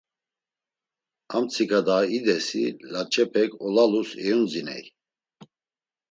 Ar mtsika daha idesi laç̌epek olalus eyundziney.